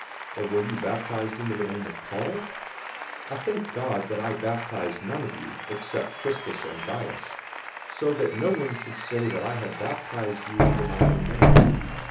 Or were you baptized into the name of Paul? 001:014 I thank God that I baptized none of you, except Crispus and Gaius, 001:015 so that no one should say that I had baptized you into my own name.